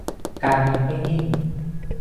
การเงินไม่นิ่ง